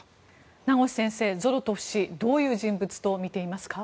名越先生、ゾロトフ氏どういう人物と見ていますか？